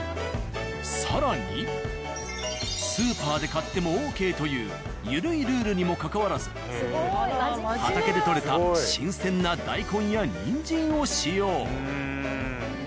更にスーパーで買ってもＯＫというゆるいルールにもかかわらず畑で採れた新鮮な大根やにんじんを使用。